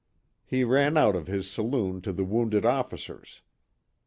He ran out of his saloon to the wounded officers.